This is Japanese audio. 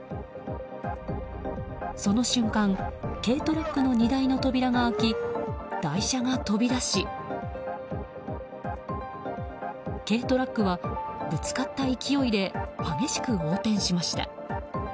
その瞬間、軽トラックの荷台の扉が開き、台車が飛び出し軽トラックは、ぶつかった勢いで激しく横転しました。